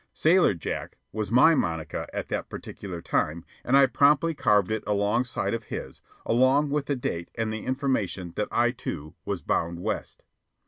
"Sailor Jack" was my monica at that particular time, and promptly I carved it alongside of his, along with the date and the information that I, too, was bound west.